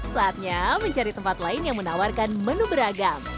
saatnya mencari tempat lain yang menawarkan menu beragam